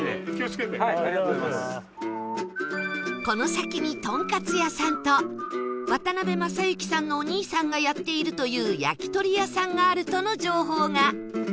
この先にとんかつ屋さんと渡辺正行さんのお兄さんがやっているという焼き鳥屋さんがあるとの情報が